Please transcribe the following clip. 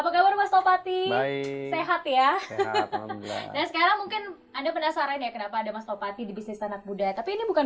sehat ya mungkin anda penasaran ya kenapa ada mas topati di bisnis anak muda tapi ini bukan